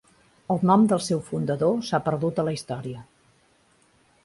El nom del seu fundador s'ha perdut a la història.